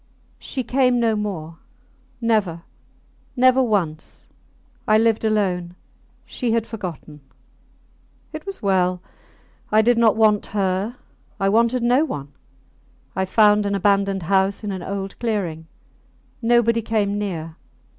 She came no more. Never! Never once! I lived alone. She had forgotten. It was well. I did not want her; I wanted no one. I found an abandoned house in an old clearing. Nobody came near.